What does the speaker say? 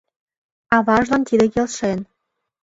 Аважлан тиде келшен.